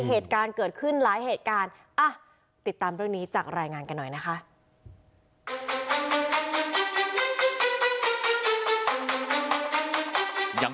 เหตุการณ์เกิดขึ้นหลายเหตุการณ์